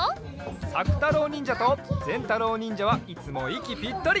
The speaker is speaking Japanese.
さくたろうにんじゃとぜんたろうにんじゃはいつもいきぴったり！